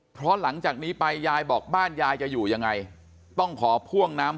เพราะหลังจากนี้ไปยายบอกบ้านยายจะอยู่ยังไงต้องขอพ่วงน้ำ